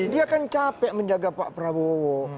dia kan capek menjaga pak prabowo